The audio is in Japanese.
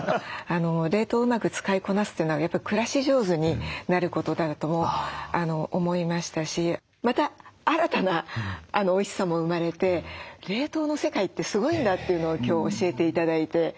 冷凍をうまく使いこなすというのがやっぱり暮らし上手になることだと思いましたしまた新たなおいしさも生まれて冷凍の世界ってすごいんだというのを今日教えて頂いて。